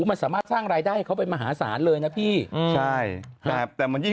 มันสามารถสร้างรายได้ให้เขาเป็นมหาศาลเลยนะพี่ใช่แต่มันยิ่ง